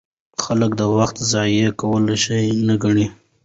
خلک د وخت ضایع کول ښه نه ګڼي.